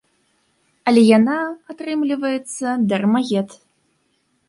Але яна, атрымліваецца, дармаед.